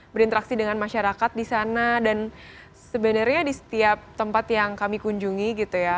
berinteraksi dengan masyarakat di sana dan sebenarnya di setiap tempat yang kami kunjungi gitu ya